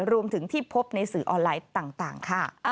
รวมถึงที่พบในสื่อออนไลน์ต่างค่ะ